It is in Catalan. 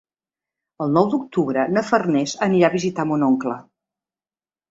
El nou d'octubre na Farners anirà a visitar mon oncle.